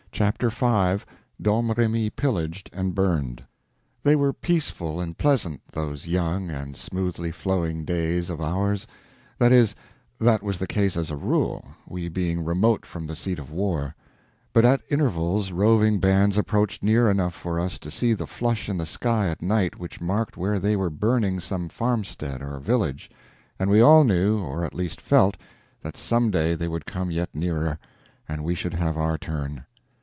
Chapter 5 Domremy Pillaged and Burned THEY WERE peaceful and pleasant, those young and smoothly flowing days of ours; that is, that was the case as a rule, we being remote from the seat of war; but at intervals roving bands approached near enough for us to see the flush in the sky at night which marked where they were burning some farmstead or village, and we all knew, or at least felt, that some day they would come yet nearer, and we should have our turn.